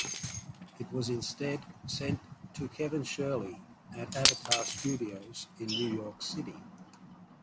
It was instead sent to Kevin Shirley at Avatar Studios in New York City.